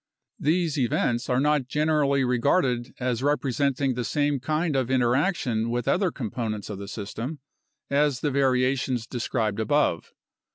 These events are not generally regarded as representing the same kind of interaction with other components of the system as the variations described above.